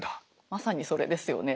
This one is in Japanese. まさにそれですよね。